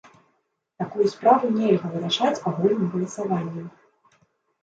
Такую справу нельга вырашаць агульным галасаваннем.